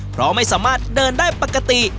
เพราะไม่สามารถเดินได้ปกติ